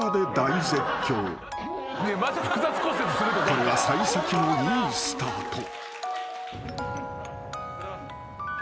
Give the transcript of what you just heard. ［これは幸先のいいスタート］